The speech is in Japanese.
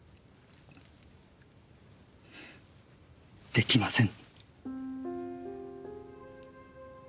できません。